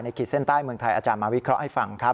ขีดเส้นใต้เมืองไทยอาจารย์มาวิเคราะห์ให้ฟังครับ